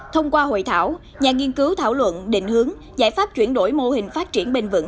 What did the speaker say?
thông qua hội thảo nhà nghiên cứu thảo luận định hướng giải pháp chuyển đổi mô hình phát triển bền vững